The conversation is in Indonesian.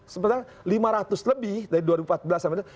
sementara lima ratus lebih dari dua ribu empat belas sampai